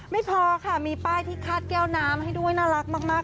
ไม่พอค่ะมีป้ายที่คาดแก้วน้ำให้ด้วยน่ารักมาก